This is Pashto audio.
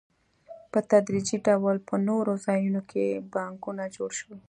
په تدریجي ډول په نورو ځایونو کې بانکونه جوړ شول